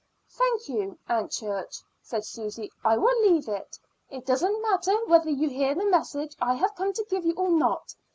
"Thank you, Aunt Church," said Susy. "I will leave it. It doesn't matter whether you hear the message I have come to give you or not.